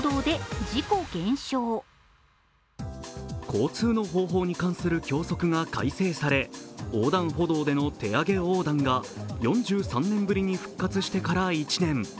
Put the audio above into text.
交通の方法に関する教則が改正され、横断歩道での手上げ横断が４３年ぶりに復活してから１年。